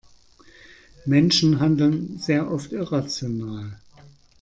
Menschen handeln sehr oft irrational.